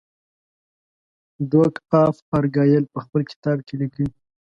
ډوک آف ارګایل په خپل کتاب کې لیکي.